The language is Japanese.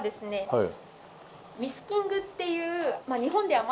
はい。